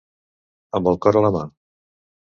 Amb el cor a la mà.